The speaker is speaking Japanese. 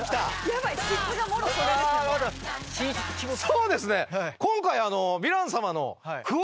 そうですね。